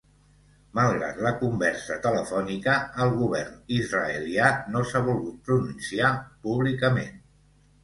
Malgrat la conversa telefònica, el govern israelià no s’ha volgut pronunciar públicament.